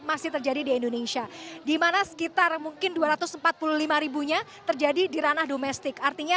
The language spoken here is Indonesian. masih terjadi di indonesia dimana sekitar mungkin dua ratus empat puluh lima ribunya terjadi di ranah domestik artinya